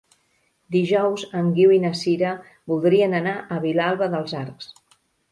Dijous en Guiu i na Sira voldrien anar a Vilalba dels Arcs.